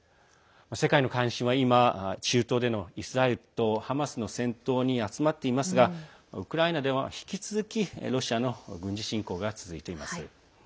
世界の関心は今、中東でのイスラエルとハマスの戦闘に集まっていますがウクライナでは引き続きロシアによる侵攻が続いています。